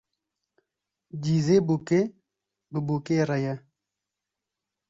Cîzê bûkê bi bûkê re ye